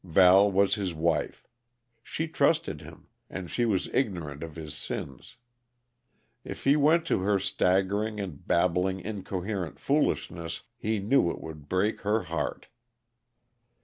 Val was his wife. She trusted him, and she was ignorant of his sins. If he went to her staggering and babbling incoherent foolishness, he knew it would break her heart.